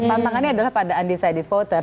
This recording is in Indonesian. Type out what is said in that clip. tantangannya adalah pada undecided voters